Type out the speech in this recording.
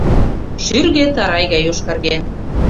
Шӱргӧ тарай гай йошкарген.